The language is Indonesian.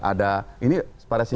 ada ini pada sisi